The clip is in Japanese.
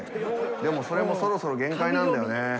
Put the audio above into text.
でもそれもそろそろ限界なんだよね。